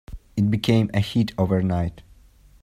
It became a hit overnight.